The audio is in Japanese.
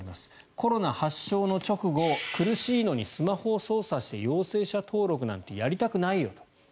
コロナ発症の直後苦しいのにスマホを操作して陽性者登録なんてやりたくないよと。